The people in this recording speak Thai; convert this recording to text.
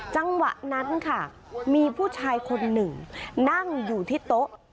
จังหวะนั้นค่ะมีผู้ชายคนหนึ่งนั่งอยู่ที่โต๊ะ